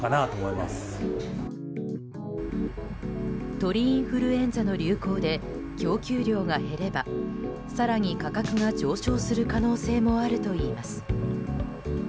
鳥インフルエンザの流行で供給量が減れば更に価格が上昇する可能性もあるといいます。